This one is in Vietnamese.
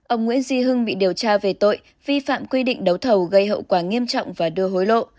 ông nguyễn duy hưng bị điều tra về tội vi phạm quy định đấu thầu gây hậu quả nghiêm trọng và đưa hối lộ